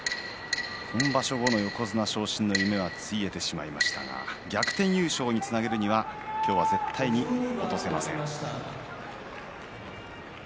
今場所後の横綱昇進の夢はついえてしまいましたが逆転優勝につなげるには今日は絶対に落とせません。